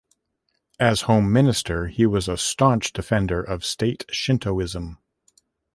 As Home Minister, he was a staunch defender of State Shintoism.